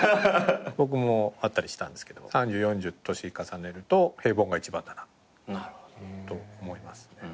僕もあったりしたんですけど３０４０年重ねると平凡が一番だなと思いますね。